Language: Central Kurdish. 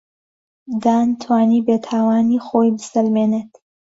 دان توانی بێتاوانی خۆی بسەلمێنێت.